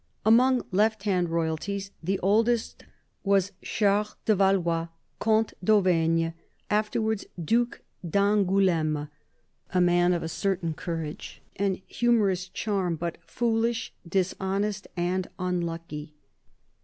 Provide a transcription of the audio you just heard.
Among left hand Royalties, the oldest was Charles de Valois, Comte d'Auvergne, afterwards Due d'Angoul6me, a man of a certain courage and humorous charm, but foolish, dishonest, and unlucky.